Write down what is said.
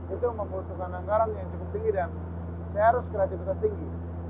itu membutuhkan anggaran yang cukup tinggi dan saya harus kreativitas tinggi